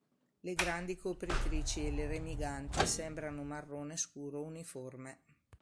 Le grandi copritrici e le remiganti sembrano marrone scuro uniforme.